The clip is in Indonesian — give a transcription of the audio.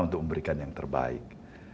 untuk memberikan yang terbaik